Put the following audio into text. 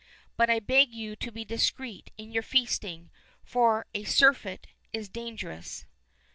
But I beg you to be discreet in your feasting, for a surfeit is dangerous."